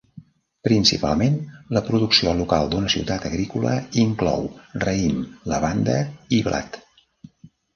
Principalment, la producció local d'una ciutat agrícola inclou raïm, lavanda i blat.